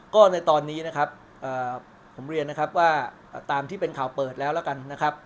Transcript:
ก็ในตอนนี้นะครับผมเรียนว่าตามที่เป็นข่าวเปิดแล้วแล้วกัน